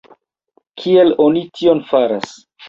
Kiel oni tion faras?